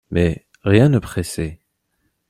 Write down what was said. Mais rien ne pressait.